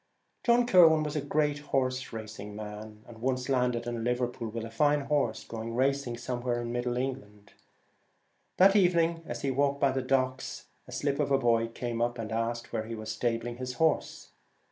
John Kirwan was a great horse racing man, and once landed in Liverpool with a fine horse, going racing somewhere in middle England. That evening, as he walked by the docks, a slip of a boy came up and asked where he was stabling his horse.